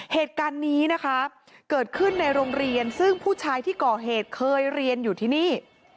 เหตุการณ์นี้นะคะเกิดขึ้นในโรงเรียนซึ่งผู้ชายที่ก่อเหตุเคยเรียนอยู่ที่นี่